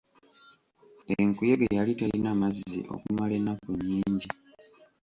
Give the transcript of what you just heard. Enkuyege yali terina mazzi okumala ennaku nnyingi.